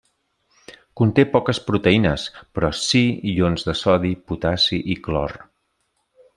Conté poques proteïnes, però sí ions de sodi, potassi i clor.